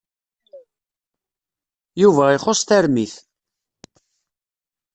Yuba ixuṣ tarmit.